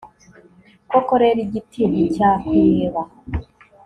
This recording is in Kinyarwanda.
koko rero, igiti nticyakwiheba